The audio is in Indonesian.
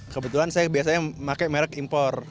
kebetulan saya biasanya pakai merek impor